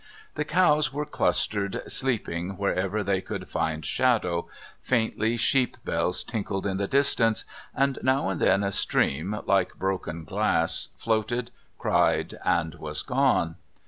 The cows were clustered sleeping wherever they could find shadow; faintly sheep bells tinkled in the distance, and now and then a stream, like broken glass, floated, cried, and was gone.